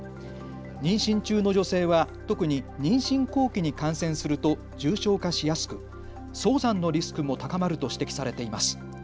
妊娠中の女性は、特に妊娠後期に感染すると重症化しやすく、早産のリスクも高まると指摘されています。